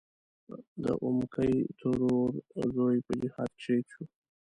د اومکۍ ترور زوی په جهاد کې شهید و.